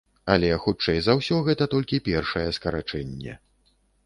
Але хутчэй за ўсе гэта толькі першае скарачэнне.